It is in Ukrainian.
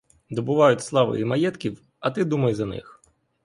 Добувають слави і маєтків, а ти думай за них.